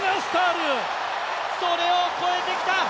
それを超えてきた。